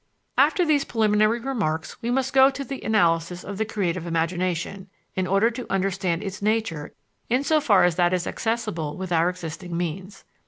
After these preliminary remarks we must go on to the analysis of the creative imagination, in order to understand its nature in so far as that is accessible with our existing means.